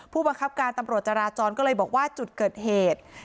ผู้บังคับการตำรวจจราจรก็เลยบอกว่าจุดเกิดเหตุ